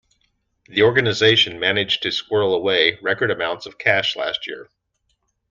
The organisation managed to squirrel away record amounts of cash last year.